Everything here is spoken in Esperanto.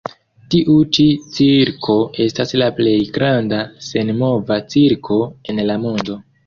Tiu ĉi cirko estas la plej granda senmova cirko en la mondo.